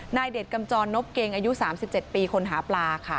เด็ดกำจรนบเกงอายุ๓๗ปีคนหาปลาค่ะ